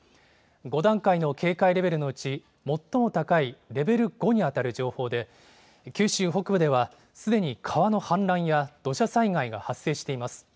５段階の警戒レベルのうち、最も高いレベル５に当たる情報で、九州北部ではすでに川の氾濫や土砂災害が発生しています。